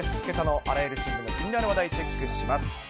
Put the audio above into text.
けさのあらゆる新聞の気になる話題、チェックします。